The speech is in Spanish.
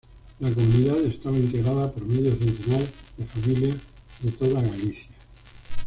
La comunidad estaba integrada por medio centenar de familias de toda Galicia.